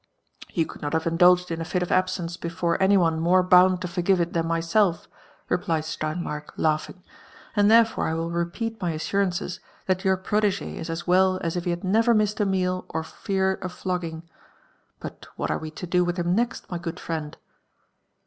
You could not have indulged in a fit of absence before any one more bound to forgive it than myself," r(fplied Sleinmark, laughing ; "and therefore I wilt repeat my assurances Ihat your protege is as well. as if he had never missed a meal orieared a flogging. But what are we to do with him next, my good friend?"